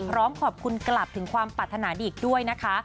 พร้อมขอบคุณกลับถึงความปรารถนาดีอีกด้วยนะคะ